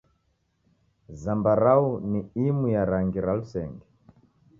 Zambarau ni imu ya rangi ra lusenge.